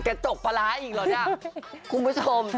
กระจกปลาร้าอีกเหรอเนี่ยคุณผู้ชม